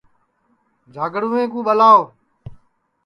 جھاگڑوویں کُو ٻلاؤ